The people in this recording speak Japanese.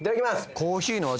コーヒーの味